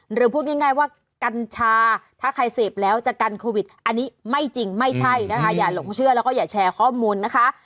หรือพูดง่ายว่ากัญชาถ้าใครเสพแล้วจะกันโควิดอันนี้ไม่จริงไม่ใช่นะคะอย่าหลงเชื่อแล้วก็อย่าแชร์ข้อมูลนะคะ